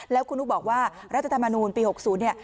แล้วคุณอู๋บอกว่ารัฐธรรมนุมปี๖๐